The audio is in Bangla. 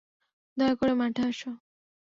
দয়া করে মাঠে আসো।